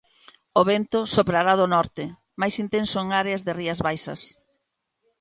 O vento soprará do norte, máis intenso en áreas das Rías Baixas.